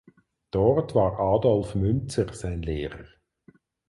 Dort war Adolf Münzer sein Lehrer.